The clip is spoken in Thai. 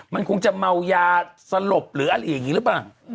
มันคงจะเมายาสลบหรืออะไรอย่างนี้หรือเปล่า